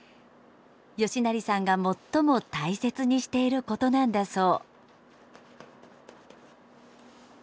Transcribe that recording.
嘉成さんが最も大切にしていることなんだそう。